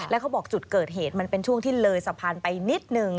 แล้วเขาบอกจุดเกิดเหตุมันเป็นช่วงที่เลยสะพานไปนิดนึง